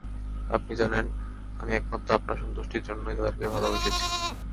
আপনি জানেন, আমি একমাত্র আপনার সন্তুষ্টির জন্যই তাদেরকে ভালবেসেছি।